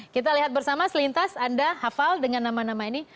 kita lihat bersama selintas anda hafal dengan nama nama ini